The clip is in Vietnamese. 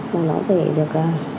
rồi nó phải được